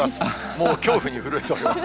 もう恐怖に震えております。